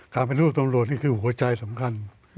การเป็นลูกตำรวจนี่คือหัวใจสำคัญ